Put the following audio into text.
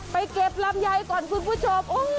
ไปเก็บลำไยก่อนคุณผู้ชม